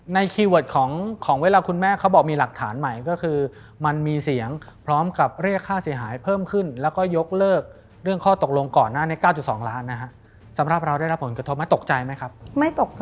ในคีย์เวิร์ดของเวลาคุณแม่เขาบอกมีหลักฐานใหม่